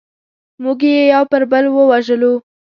موږ یې یو پر بل ووژلو.